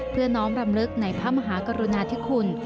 น้อมรำลึกในพระมหากรุณาธิคุณ